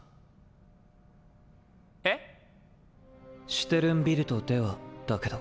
シュテルンビルトではだけど。